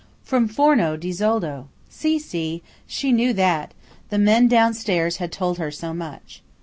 From Forno di Zoldo! Sì, sì–she knew that–the men down stairs had told her so much.